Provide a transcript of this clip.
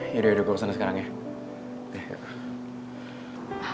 yaudah yaudah gue urusin sekarang ya